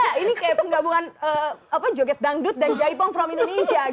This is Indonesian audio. ya ini kayak penggabungan joget dangdut dan jaipong from indonesia